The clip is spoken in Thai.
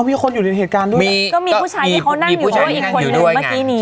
มีคนอยู่ในเหตุการณ์ด้วยก็มีผู้ชายที่เขานั่งอยู่อีกคนนึง